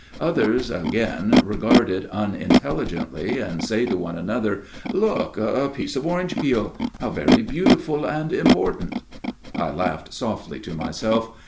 Others, again, regard it unintelligently and say to one another, * Look. A piece of orange peel ! How very beautiful and important.' ' (I laughed softly to myself.